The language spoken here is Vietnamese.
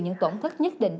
những tổn thất nhất định